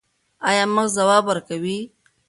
ایا مغز ځواب ورکوي؟